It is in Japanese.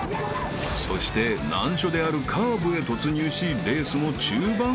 ［そして難所であるカーブへ突入しレースも中盤へ］